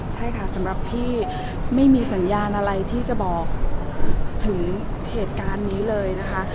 ใช่ค่ะสำหรับพี่ไม่มีสัญญาณอะไรที่จะบอกถึงเหตุการณ์นี้เลยนะคะ